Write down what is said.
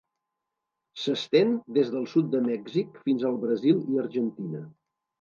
S'estén des del sud de Mèxic fins al Brasil i Argentina.